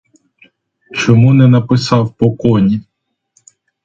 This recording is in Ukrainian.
Чому не написав по коні?